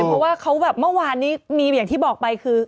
เพราะว่าเขาแบบเมื่อวานนี้มีอย่างที่บอกไปคือ